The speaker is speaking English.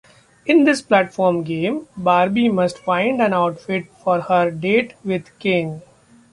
In this platform game, Barbie must find an outfit for her date with Ken.